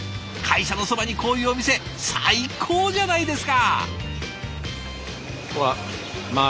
会社のそばにこういうお店最高じゃないですか！